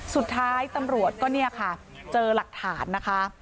สุดท้ายตำรวจก็เจอหลักฐานนะคะ